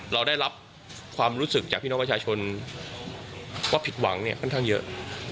เราได้รับความรู้สึกจากพี่น้องประชาชนว่าผิดหวังเนี่ยค่อนข้างเยอะ